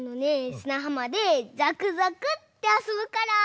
すなはまでざくざくってあそぶから。